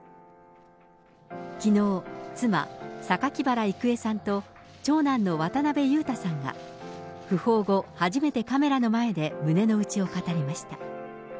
きのう、妻、榊原郁恵さんと、長男の渡辺裕太さんが、訃報後、初めてカメラの前で胸の内を語りました。